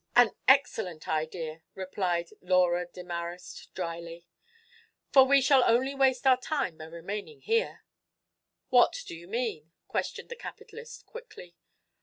"An excellent idea," replied Lawyer Demarest, dryly, "for we shall only waste our time by remaining here." "What do you mean?" questioned the capitalist, quickly.